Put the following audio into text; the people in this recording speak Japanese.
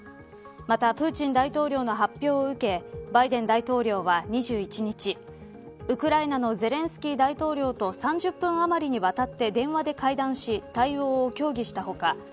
また、プーチン大統領の発表を受けバイデン大統領は２１日ウクライナのゼレンスキー大統領と３０分あまりにわたって電話で会談し対応を協議した他